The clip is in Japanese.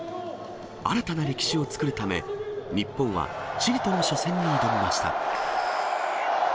新たな歴史を作るため、日本はチリとの初戦に挑みました。